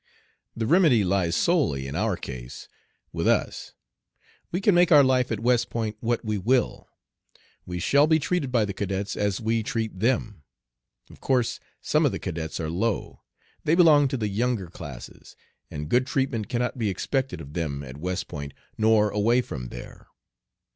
The remedy lies solely in our case with us. We can make our life at West Point what we will. We shall be treated by the cadets as we treat them. Of course some of the cadets are low they belong to the younger classes and good treatment cannot be expected of them at West Point nor away from there.